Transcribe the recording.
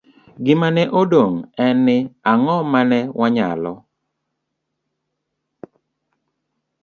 Gima ne odong ' en ni, ang'o ma ne wanyalo